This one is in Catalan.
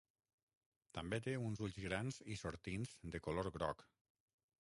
També té uns ulls grans i sortints de color groc.